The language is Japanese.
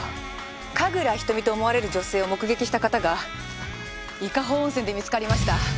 神楽瞳と思われる女性を目撃した方が伊香保温泉で見つかりました。